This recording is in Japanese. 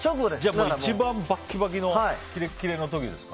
一番バッキバキのキレッキレの時ですか。